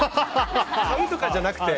買うとかじゃなくて。